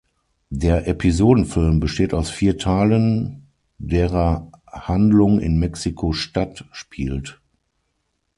Der Episodenfilm besteht aus vier Teilen, derer Handlung in Mexiko-Stadt spielt.